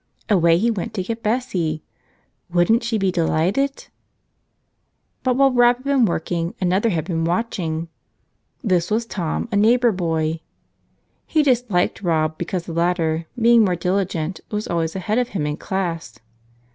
Away he went to get Bessie. Wouldn't she be de¬ lighted? But while Rob had been working, another had been watching. This was Tom, a neighbor boy. He dis¬ liked Rob because the latter, being more diligent, was always ahead of him in class.